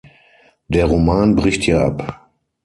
Der Roman bricht hier ab.